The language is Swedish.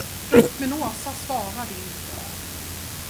Men Åsa svarade inte.